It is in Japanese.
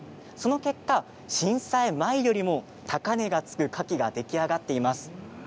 その結果震災前よりも高値がつくカキが出来上がっています。